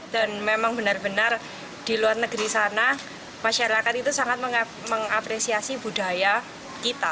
dan memang benar benar di luar negeri sana masyarakat itu sangat mengapresiasi budaya kita